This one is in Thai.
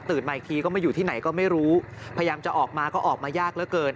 มาอีกทีก็มาอยู่ที่ไหนก็ไม่รู้พยายามจะออกมาก็ออกมายากเหลือเกิน